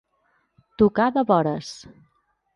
Tocar de vores.